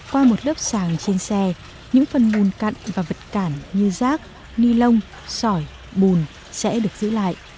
qua một lớp sàng trên xe những phần mùn cặn và vật cản như rác ni lông sỏi bùn sẽ được giữ lại